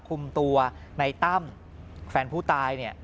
คุมตัวในตั้มแฟนผู้ตายเนี่ย